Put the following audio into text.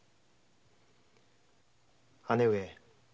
姉上。